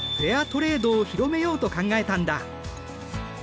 トレードを広めようと考えたんだ。